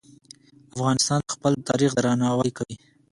افغانستان د خپل تاریخ درناوی کوي.